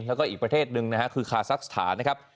แล้วก็อีกประเทศหนึ่งนะฮะคือคาซักสถานนะครับ